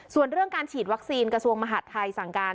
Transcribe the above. ส่วนเรื่องการฉีดวัคซีนกระทรวงมหาดไทยสั่งการ